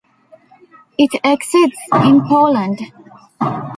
It exists in Poland.